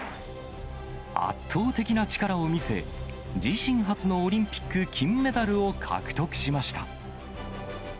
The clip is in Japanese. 圧倒的な力を見せ、自身初のオリンピック金メダルを獲得しました。